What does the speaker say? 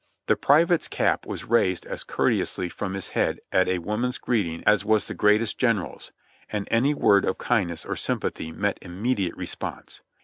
The private's cap was raised as courteously from his head at a woman's greeting as was the greatest general's — and any word of kindness or sympathy met immediate response.